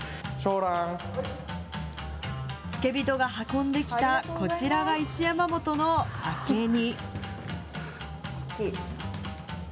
付け人が運んできた、こちらが一山本の明け荷。